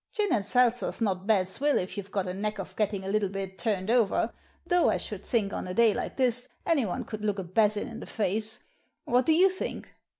Gin and seltzer's not bad swill if you've got a knack of getting a little bit turned over, though I should tiiink on a day like this anyone could look a basin in the face. What do you think